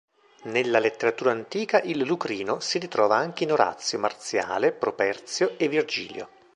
Nella letteratura antica il Lucrino si ritrova anche in Orazio, Marziale, Properzio e Virgilio.